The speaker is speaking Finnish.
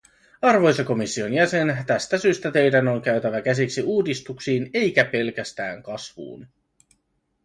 Arvoisa komission jäsen, tästä syystä teidän on käytävä käsiksi uudistuksiin eikä pelkästään kasvuun.